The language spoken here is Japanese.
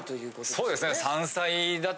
そうですね。